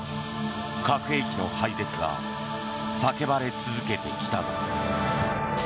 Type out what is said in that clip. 核兵器の廃絶が叫ばれ続けてきたが。